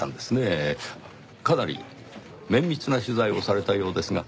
かなり綿密な取材をされたようですが。